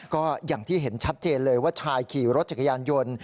ก็อย่างที่เห็นชัดเจนเลยว่าชายขี่รถจักรยานยนต์